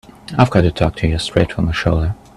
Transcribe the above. I've got to talk to you straight from the shoulder.